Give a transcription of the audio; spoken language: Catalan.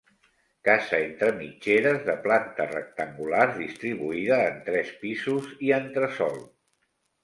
Casa entre mitgeres de planta rectangular, distribuïda en tres pisos i entresòl.